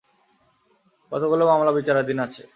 কতগুলো মামলা বিচারাধীন আছে?